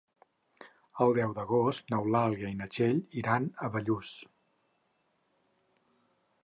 El deu d'agost n'Eulàlia i na Txell iran a Bellús.